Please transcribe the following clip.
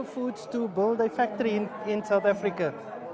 untuk membangun pabrik di south africa